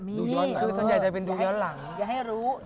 มีคือส่วนใหญ่คือดูย้อนหลัง